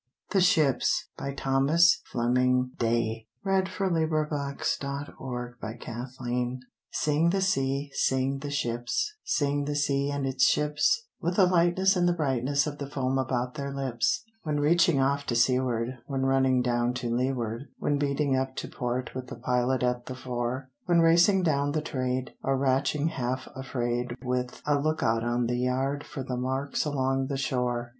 on the shore. The breakers cry Ho! ho! Good bye! Good bye for evermore. THE SHIPS. Sing the sea, sing the ships, Sing the sea and its ships, With the lightness and the brightness Of the foam about their lips; When reaching off to seaward, When running down to leeward, When beating up to port with the pilot at the fore; When racing down the Trade, Or ratching half afraid With a lookout on the yard for the marks along the shore.